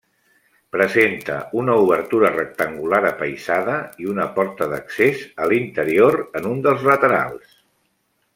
Presenta una obertura rectangular apaïsada i una porta d'accés a l'interior en un dels laterals.